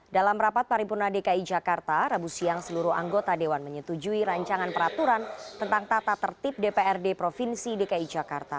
dalam rapat paripurna dki jakarta rabu siang seluruh anggota dewan menyetujui rancangan peraturan tentang tata tertib dprd provinsi dki jakarta